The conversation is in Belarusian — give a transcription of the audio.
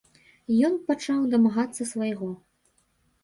Ён пачаў дамагацца свайго.